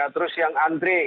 terus yang antri